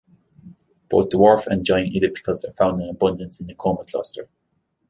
Both dwarf and giant ellipticals are found in abundance in the Coma Cluster.